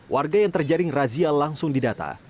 warga yang terjaring razia langsung didata